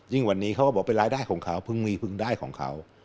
วันนี้เขาก็บอกเป็นรายได้ของเขาเพิ่งมีเพิ่งได้ของเขา